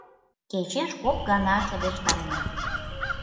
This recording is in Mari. Кечеш кок гана шыдештарена.